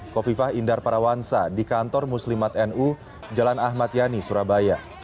kofifah indar parawansa di kantor muslimat nu jalan ahmad yani surabaya